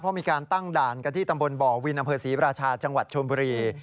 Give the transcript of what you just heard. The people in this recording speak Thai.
เพราะมีการตั้งด่านกันที่ตำบลบ่อวินอำเภอศรีราชาจังหวัดชนบุรี